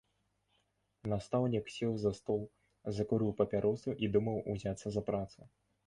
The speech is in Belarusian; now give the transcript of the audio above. Настаўнік сеў за стол, закурыў папяросу і думаў узяцца за працу.